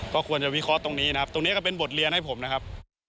ก็ควรจะวิเคราะห์ตรงนี้นะครับตรงนี้ก็เป็นบทเรียนให้ผมนะครับ